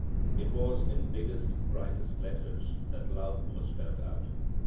It was in biggest, brightest letters that love was spelled out.